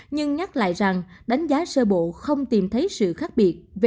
nhưng nhắc lại rằng đánh giá sơ bộ không tìm thấy sự khác biệt